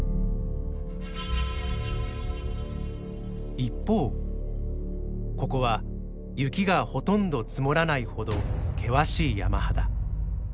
一方ここは雪がほとんど積もらないほど険しい山肌。